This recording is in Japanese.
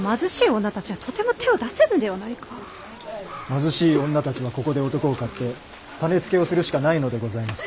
貧しい女たちはここで男を買って種付けをするしかないのでございます。